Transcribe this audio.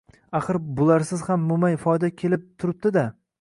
axir, bularsiz ham mo‘may foyda kelib turibdi-da!